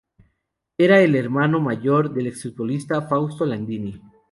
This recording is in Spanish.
Era el hermano mayor del exfutbolista Fausto Landini.